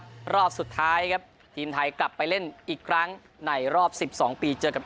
รอบสุดท้ายครับทีมไทยกลับไปเล่นอีกครั้งในรอบสิบสองปีเจอกับ